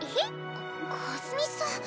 かかすみさん。